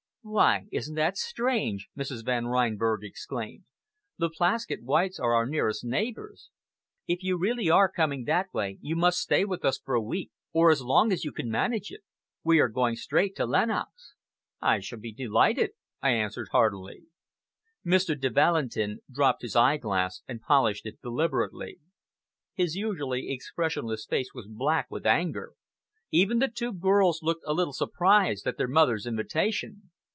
"Why, isn't that strange?" Mrs. Van Reinberg exclaimed. "The Plaskett Whites are our nearest neighbors. If you really are coming that way, you must stay with us for a week, or as long as you can manage it. We are going straight to Lenox." "I shall be delighted," I answered heartily. Mr. de Valentin dropped his eyeglass and polished it deliberately. His usually expressionless face was black with anger. Even the two girls looked a little surprised at their mother's invitation.